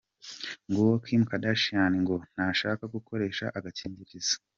Nguwo Kim Kardashian, ngo ntashaka gukoresha agakingirizo.